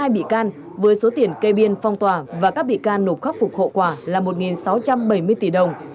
một trăm linh hai bị can với số tiền cây biên phong tỏa và các bị can nộp khắc phục hậu quả là một sáu trăm bảy mươi tỷ đồng